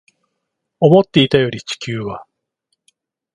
思っていたより地球は